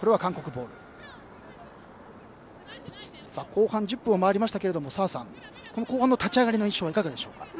後半１０分を回りましたが澤さん、後半の立ち上がりの印象はいかがですか？